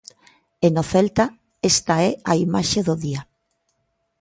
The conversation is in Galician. E no Celta esta é a imaxe do día.